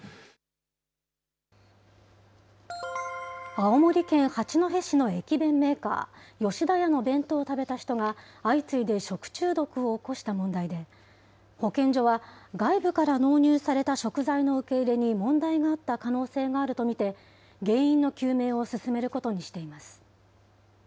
青森県八戸市の駅弁メーカー、吉田屋の弁当を食べた人が、相次いで食中毒を起こした問題で、保健所は、外部から納入された食材の受け入れに問題があった可能性があると見て、原因の究明を進めることにしています。